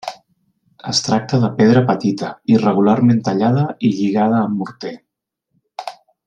Es tracta de pedra petita, irregularment tallada, i lligada amb morter.